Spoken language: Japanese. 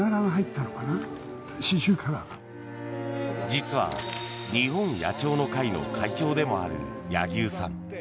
実は日本野鳥の会の会長でもある柳生さん。